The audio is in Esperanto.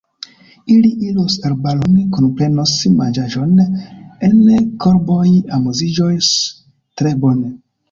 Ili iros arbaron, kunprenos manĝaĵon en korboj, amuziĝos tre bone.